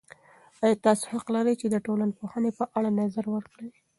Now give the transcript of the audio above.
ایا تاسې حق لرئ چې د ټولنپوهنې په اړه نظر ورکړئ؟